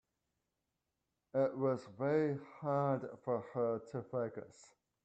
It was very hard for her to focus.